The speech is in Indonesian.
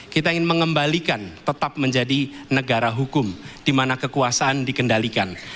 kita ingin mengembalikan tetap menjadi negara hukum di mana kekuasaan dikendalikan